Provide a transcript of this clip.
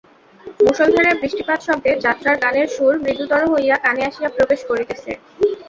মুষলধারায় বৃষ্টিপাতশব্দে যাত্রার গানের সুর মৃদুতর হইয়া কানে আসিয়া প্রবেশ করিতেছে।